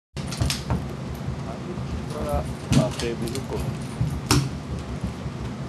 ہمیت ݯھترارہ واقع بیرو کوروم